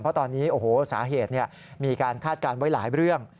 เพราะตอนนี้โอ้โหสาเหตุมีการคาดการณ์ไว้หลายเรื่อง